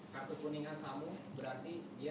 karena saya ada dua pertanyaan